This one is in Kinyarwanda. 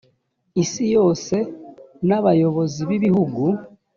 isi yose n abayobozi b ibihugu